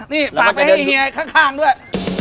นี่ฝากไปให้เฮียข้างด้วย